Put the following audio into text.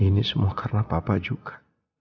ini semua karena papa juga